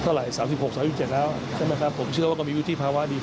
ไหนตั้ง๓๖๓๗แล้วใช่ไหมครับใช่ไหมครับ